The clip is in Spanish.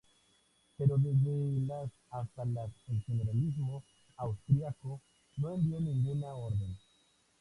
Pero desde las hasta las el generalísimo austríaco no envió ninguna orden.